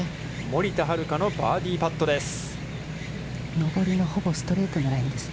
森田遥のバーディーパットです。